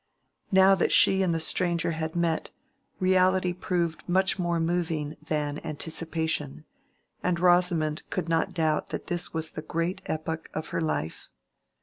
Now that she and the stranger had met, reality proved much more moving than anticipation, and Rosamond could not doubt that this was the great epoch of her life.